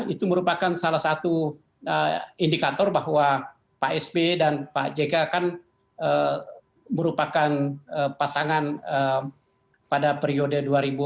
itu merupakan salah satu indikator bahwa pak sb dan pak jk kan merupakan pasangan pada periode dua ribu sembilan belas dua ribu